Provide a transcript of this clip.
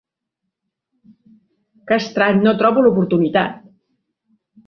Que estrany, no trobo l'oportunitat!